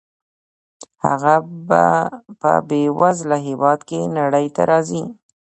هغه په بې وزله هېواد کې نړۍ ته راځي.